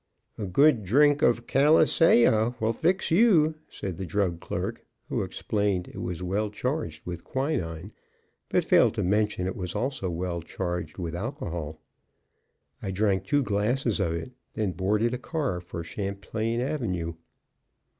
"A good drink of calisaya will fix you," said the drug clerk, who explained it was well charged with quinine, but failed to mention it was also well charged with alcohol. I drank two glasses of it, then boarded a car for Champlain avenue.